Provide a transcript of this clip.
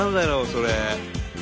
それ。